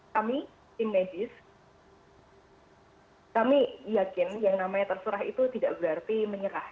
kami tim medis kami yakin yang namanya terserah itu tidak berarti menyerah